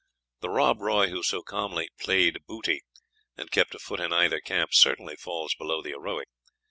The Rob Roy who so calmly "played booty," and kept a foot in either camp, certainly falls below the heroic.